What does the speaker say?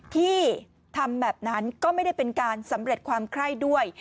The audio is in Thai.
ที่ทำแบบนั้นก็ไม่ได้เป็นการสำเร็จความไคร้ด้วย